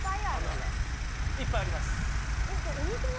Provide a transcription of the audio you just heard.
いっぱいあります。